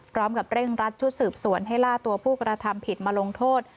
พร้อมกับเร่งรัดชุดสืบสวนให้ล่าตัวผู้กระทำผิดมาลงโทษ